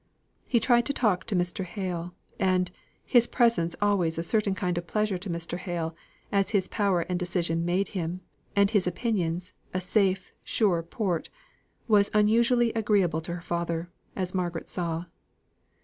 He tried to talk to Mr. Hale: and his presence always a certain kind of pleasure to Mr. Hale, as his power and decision made him, and his opinions, a safe, sure port was unusually agreeable to her father, as Margaret saw.